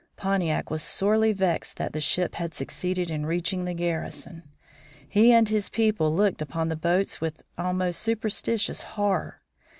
Pontiac was sorely vexed that the ship had succeeded in reaching the garrison. He and his people looked upon the boats with almost superstitious horror.